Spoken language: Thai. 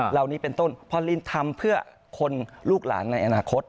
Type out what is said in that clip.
เหล่านี้เป็นต้นพอลินทำเพื่อคนลูกหลานในอนาคต